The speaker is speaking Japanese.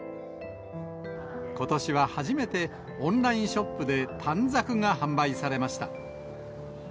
ことしは初めて、オンラインショップで短冊が販売されました。